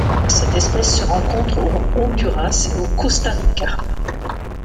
Cette espèce se rencontre au Honduras et au Costa Rica.